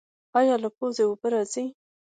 ایا له پوزې اوبه راځي؟